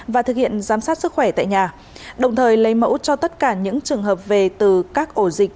và thực hiện giám sát sức khỏe tại nhà đồng thời lấy mẫu cho tất cả những trường hợp về từ các ổ dịch